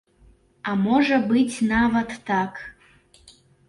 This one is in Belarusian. А можа быць нават так.